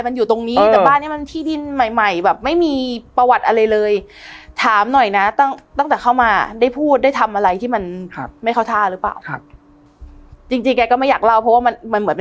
มันอยู่ตรงนี้แต่บ้านนี้มันที่ดินใหม่แบบไม่มีประวัติอะไรเลย